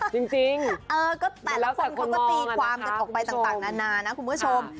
จริงเออก็แต่ละคนเขาก็ตีความกันออกไปต่างนานานะคุณผู้ชม